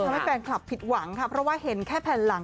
ทำให้แฟนคลับผิดหวังค่ะเพราะว่าเห็นแค่แผ่นหลัง